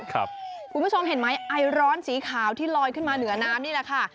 คุณผู้ชมเห็นไหมไอร้อนสีขาวที่ลอยขึ้นมาเหนือน้ำนี่แหละค่ะ